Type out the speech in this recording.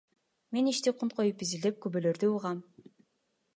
Мен ишти кунт коюп изилдеп, күбөлөрдү угам.